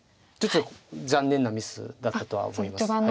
ちょっと残念なミスだったとは思います。